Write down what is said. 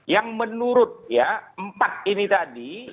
yang menurut ya empat ini tadi